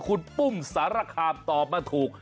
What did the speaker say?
คุณปุ้มสารคามตอบมาถูก